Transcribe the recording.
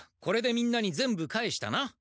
これでみんなに全部返したな。